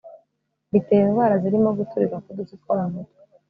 bitera indwara zirimo guturika kudutsi two mu mutwe